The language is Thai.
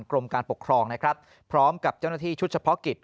กรมการปกครองนะครับพร้อมกับเจ้าหน้าที่ชุดเฉพาะกิจ